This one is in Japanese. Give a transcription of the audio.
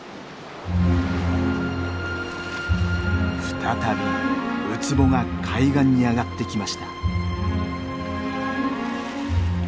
再びウツボが海岸に上がってきました。